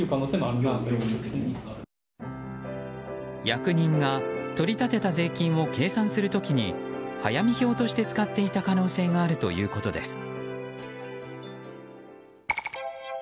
役人が取り立てた税金を計算する時に早見表として使っていた可能性があるということです。